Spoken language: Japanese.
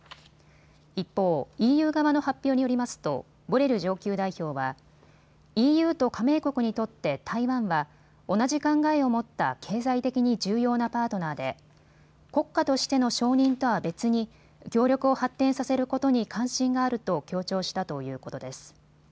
一方、ＥＵ側の発表によりますとボレル上級代表はＥＵと加盟国にとって台湾は同じ考えを持った経済的に重要なパートナーで国家としての承認とは別に協力を発展させることに関心があると強調したということです。